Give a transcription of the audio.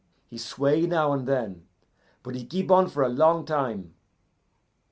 He sway now and then, but he keep on for a long time.